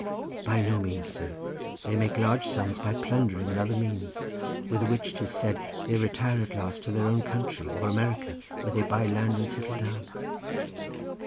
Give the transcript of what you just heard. "By no means, sir; they make large sums by plundering and other means, with which, 'tis said, they retire at last to their own country or America, where they buy land and settle down."